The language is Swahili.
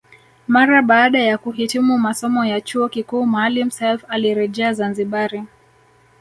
Mara baada ya kuhitimu masomo ya chuo kikuu Maalim Self alirejea Zanzibari